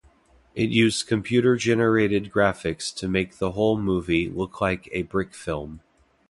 It used computer generated graphics to make the whole movie look like a brickfilm.